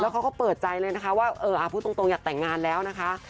เขาก็เปิดใจเลยนะคะว่าพูดตรงอยากแต่งงานแล้วนะคะ